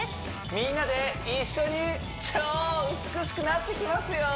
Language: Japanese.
みんなで一緒に超美しくなっていきますよ